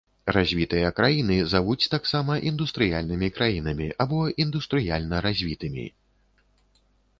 Развітыя краіны завуць таксама індустрыяльнымі краінамі або індустрыяльна развітымі.